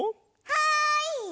はい！